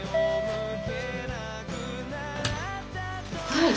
はい。